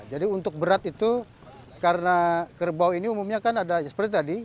jadi untuk berat itu karena kerbau ini umumnya kan ada seperti tadi